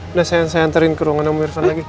udah sayang saya nganterin ke ruangan kamu irfan lagi